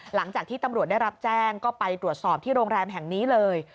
หลังจากที่ตำรวจได้รับแจ้งก็ไปตรวจสอบที่โรงแรมแห่งนี้เลย